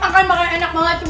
makan makan enak banget cuma